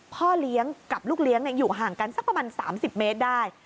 พ่อเลี้ยงกับลูกเลี้ยงอยู่ห่างกันสักประมาณ๓๐เมตรได้